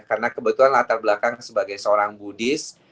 karena kebetulan latar belakang sebagai seorang buddhis